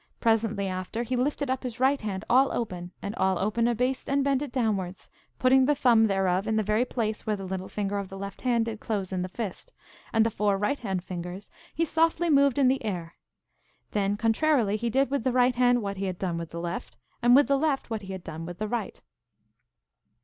Presently after, he lifted up his right hand all open, and all open abased and bent it downwards, putting the thumb thereof in the very place where the little finger of the left hand did close in the fist, and the four right hand fingers he softly moved in the air. Then contrarily he did with the right hand what he had done with the left, and with the left what he had done with the right.